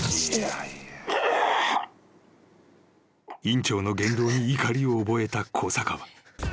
［院長の言動に怒りを覚えた小坂は］